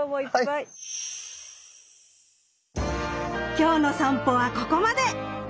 今日の散歩はここまで。